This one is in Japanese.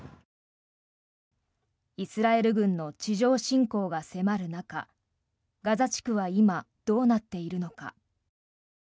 イスラエル軍の地上侵攻が迫る中ガザ地区は今、どうなっているのか。